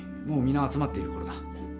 もうみんな集まっている頃だ。